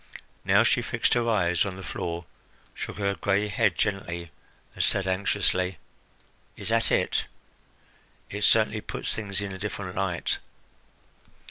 Now she fixed her eyes on the floor, shook her gray head gently, and said anxiously: "Is that it? It certainly puts things in a different light.